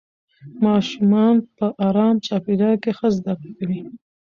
ماشومان په ارام چاپېریال کې ښه زده کړه کوي